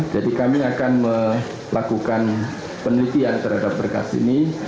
jadi kami akan melakukan penelitian terhadap berkas ini